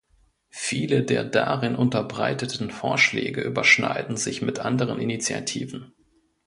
Viele der darin unterbreiteten Vorschläge überschneiden sich mit anderen Initiativen.